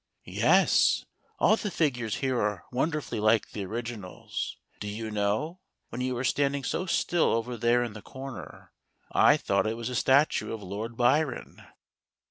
" Yes, all the figures here are wonder¬ fully like the originals. Do you know, when you were standing so still over there in the corner, I thought it was a statue of Lord Byron."